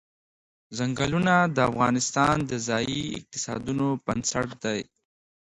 ځنګلونه د افغانستان د ځایي اقتصادونو بنسټ دی.